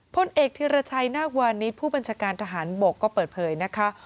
พลเอกธิรชัยนาควานิสผู้บัญชาการทหารบกก็เปิดเผยนะคะ